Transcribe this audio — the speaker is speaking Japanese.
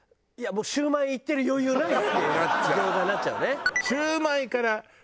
もうシュウマイいってる余裕ないって餃子になっちゃうよね。